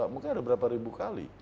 mungkin ada berapa ribu kali